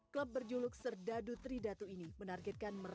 klub berjuluk serdadu tridatu ini menargetkan meraih